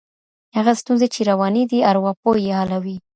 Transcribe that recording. هغه ستونزي چي رواني دي ارواپوه یې حلوي.